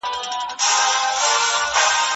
فکري سيالي د ټولني پرمختګ چټک کوي.